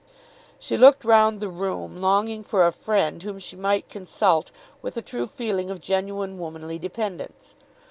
She looked round the room, longing for a friend, whom she might consult with a true feeling of genuine womanly dependence.